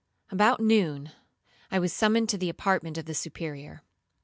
About noon, I was summoned to the apartment of the Superior.